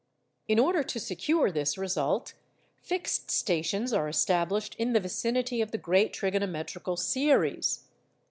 In order to secure this result, fixed stations are established in the vicinity of the great trigonometrical series.